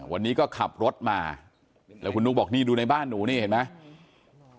วันนี้ก็ขับรถมาแล้วคุณนุ๊กบอกนี่ดูในบ้านหนูนี่เห็นไหม